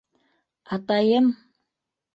Атайым!..